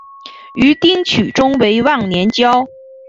与丁取忠为忘年交。